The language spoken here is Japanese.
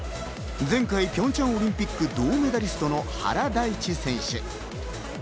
前回、ピョンチャンオリンピック銅メダリストの原大智選手。